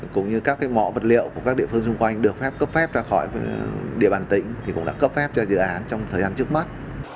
cũng như các mỏ vật liệu của các địa phương xung quanh được phép cấp phép ra khỏi địa bàn tỉnh thì cũng đã cấp phép cho dự án trong thời gian trước mắt